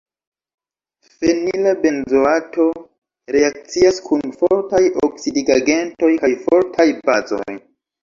Fenila benzoato reakcias kun fortaj oksidigagentoj kaj fortaj bazoj.